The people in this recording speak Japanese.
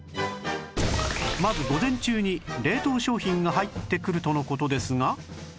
まず午前中に冷凍商品が入ってくるとの事ですが